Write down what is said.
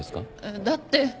だって。